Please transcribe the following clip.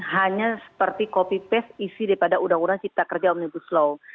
hanya seperti copy paste isi daripada undang undang cipta kerja omnibus law